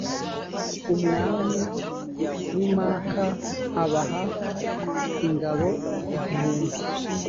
umwami w’i maka abaha ingabo igihumbi